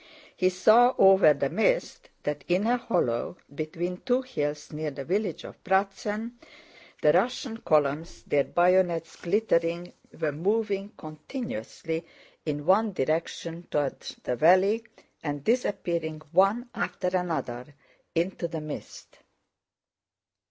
He saw over the mist that in a hollow between two hills near the village of Pratzen, the Russian columns, their bayonets glittering, were moving continuously in one direction toward the valley and disappearing one after another into the mist.